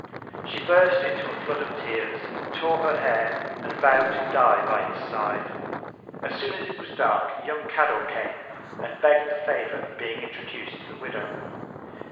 She burst into a Flood of Tears; tore her Hair; and vow'd to die by his Side. As soon as it was dark, young Cador came, and begg'd the Favour of being introduc'd to the Widow.